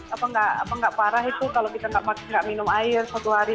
apa nggak parah itu kalau kita nggak minum air satu hari